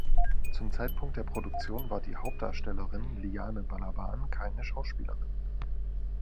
Zum Zeitpunkt der Produktion war die Hauptdarstellerin Liane Balaban keine Schauspielerin.